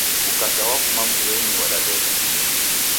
Ukacha wafuma mbuw'enyi wadadeka.